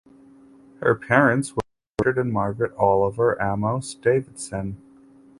Her parents were Richard and Margaret Oliver (Amos) Davidson.